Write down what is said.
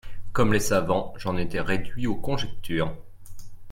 Comme les savants, j'en étais réduit aux conjectures.